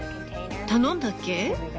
頼んだっけ？